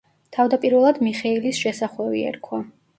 თავდაპირველად მიხეილის შესახვევი ერქვა.